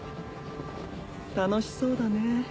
楽しそうだね。